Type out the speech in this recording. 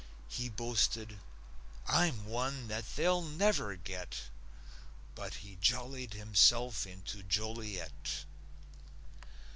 He boasted: "I'm one that they'll never get." But he jollied himself into Joliet.